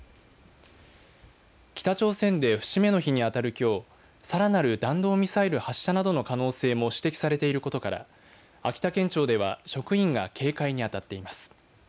北朝鮮で節目の日に当たるきょうさらなる弾道ミサイル発射などの可能性も指摘されていることから秋田県庁では職員が警戒にあたっています。